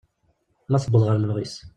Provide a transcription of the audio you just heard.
Ma tewweḍ ɣer lebɣi-s.